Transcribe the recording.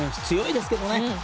強いですけどね。